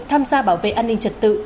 tham gia bảo vệ an ninh trật tự